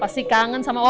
pasti kangen sama mama